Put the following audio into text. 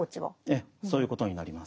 ええそういうことになります。